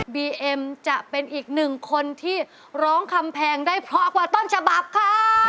บีเอ็มจะเป็นอีกหนึ่งคนที่ร้องคำแพงได้เพราะกว่าต้นฉบับค่ะ